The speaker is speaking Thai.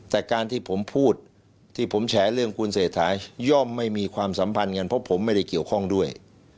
แต่การที่ผมพูดที่ผมแฉเรื่องคุณเศรษฐาย่อมไม่มีความสัมพันธ์กันเพราะผมไม่ได้เกี่ยวข้องด้วย